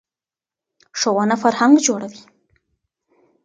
ښوونه فرهنګ جوړوي.